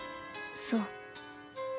そう。